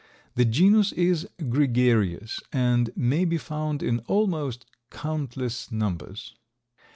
The genus is gregarious and may be found in almost countless numbers.